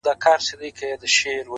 خيالاتو د حالاتو د دې سوال الهام راکړی’